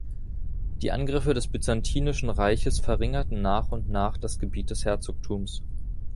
Die Angriffe des byzantinischen Reiches verringerten nach und nach das Gebiet des Herzogtums.